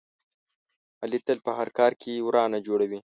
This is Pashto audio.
علي تل په هر کار کې ورانه جوړوي.